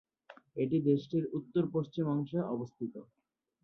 এটি দেশটির উত্তর-পশ্চিম অংশে অবস্থিত।